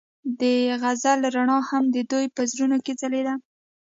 د غزل رڼا هم د دوی په زړونو کې ځلېده.